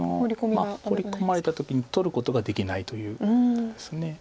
ホウリ込まれた時に取ることができないということです。